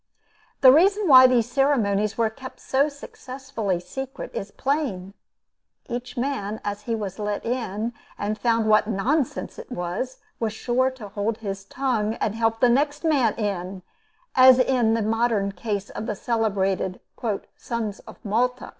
The reason why these ceremonies were kept so successfully secret, is plain. Each man, as he was let in, and found what nonsense it was, was sure to hold his tongue and help the next man in, as in the modern case of the celebrated "Sons of Malta."